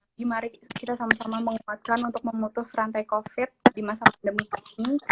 jadi mari kita sama sama menguatkan untuk memutus rantai covid di masa pandemi ini